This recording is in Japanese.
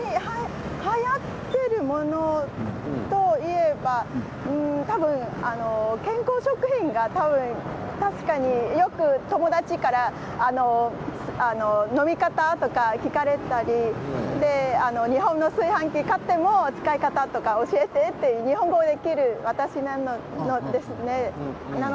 はやっているものといえば健康食品が多分、確かによく友達から飲み方とか聞かれたり日本の炊飯器買っても使い方とかを教えてという日本語できる私なので。